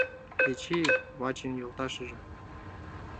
Эчи, Вачин йолташыже.